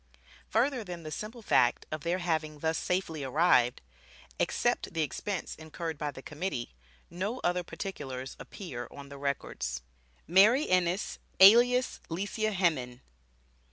Further than the simple fact of their having thus safely arrived, except the expense incurred by the Committee, no other particulars appear on the records. MARY ENNIS ALIAS LICIA HEMMIN.